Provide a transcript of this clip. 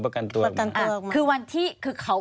ควิทยาลัยเชียร์สวัสดีครับ